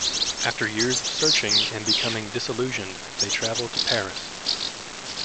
After years of searching and becoming disillusioned, they travel to Paris.